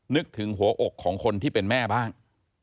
นึกถึงหัวอกของคนที่เป็นแม่บ้าง